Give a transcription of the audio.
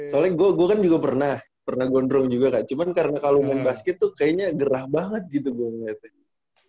soalnya gua kan juga pernah pernah gondrong juga kak cuman karena kalo main basket tuh kayaknya gerah banget gitu gua ngerasa